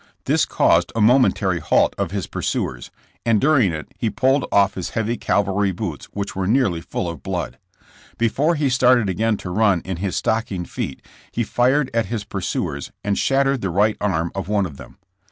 This caused a momentary halt of his pursuers, and during it he pulled off his heavy cavalry boots which were nearly full of blood. Before he started again to run in his stockinged feet he fired at his pursuers and shattered the right arm of one of them.